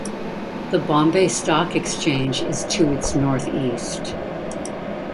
The Bombay Stock Exchange is to its north east.